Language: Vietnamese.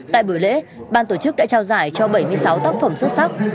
tại buổi lễ ban tổ chức đã trao giải cho bảy mươi sáu tác phẩm xuất sắc